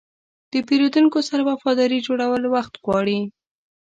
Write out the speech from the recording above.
د پیرودونکو سره وفاداري جوړول وخت غواړي.